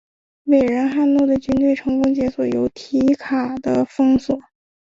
伟人汉诺的军队成功解除由提卡的封锁。